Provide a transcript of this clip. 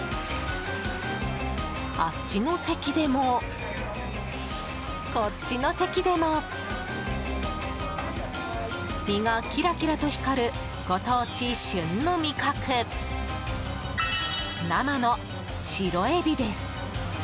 あっちの席でも、こっちの席でも身がキラキラと光るご当地、旬の味覚生の白エビです！